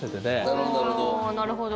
なるほどなるほど。